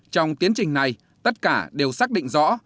trong tiến trình này tất cả đều xác định rõ